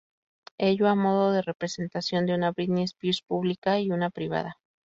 Ello, a modo de representación de una Britney Spears pública y una privada.